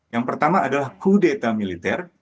yang pertama adalah kudeta militer